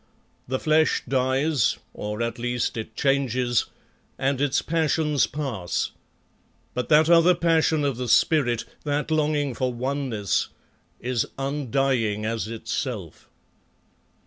The flesh dies, or at least it changes, and its passions pass, but that other passion of the spirit that longing for oneness is undying as itself.